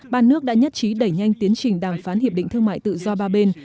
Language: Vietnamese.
ba nước đã nhất trí đẩy nhanh tiến trình đàm phán hiệp định thương mại tự do ba bên